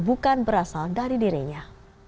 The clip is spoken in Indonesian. bukan berasal dari dirinya